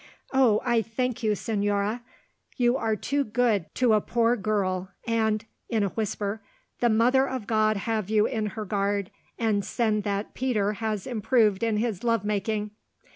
Oh! I thank you, Señora, you are too good to a poor girl, and," in a whisper, "the Mother of God have you in her guard, and send that Peter has improved in his love making!"